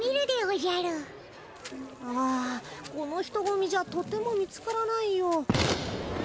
あこの人ごみじゃとても見つからないよ。